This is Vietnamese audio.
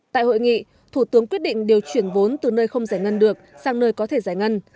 tại hội nghị thủ tướng quyết định điều chuyển vốn từ nơi không giải ngân được sang nơi có thể giải ngân